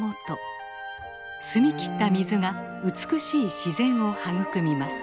澄み切った水が美しい自然を育みます。